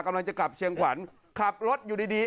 กำลังจะกลับเชียงขวัญขับรถอยู่ดีดี